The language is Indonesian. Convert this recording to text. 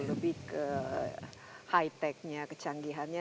lebih ke high tech nya kecanggihannya